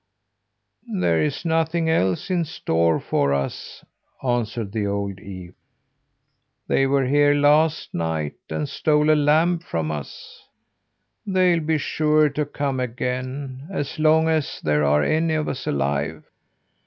"There is nothing else in store for us," answered the old ewe. "They were here last night, and stole a lamb from us. They'll be sure to come again, as long as there are any of us alive.